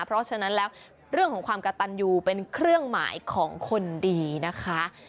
เพราะฉะนั้นแล้วเรื่องของความกระตันยูเป็นเครื่องหมายของคนดีนะคะ